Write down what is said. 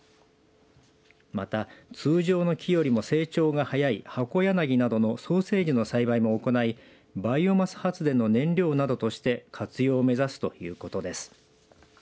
また、通常の木よりも成長が早いハコヤナギなどの早生樹の栽培も行いバイオマス発電の燃料などとして活用を目指すということです。